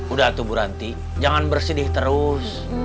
udah tuh bu ranti jangan bersedih terus